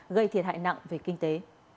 gây thiệt hại nặng về kinh tế